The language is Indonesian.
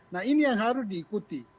nah ini yang harus diikuti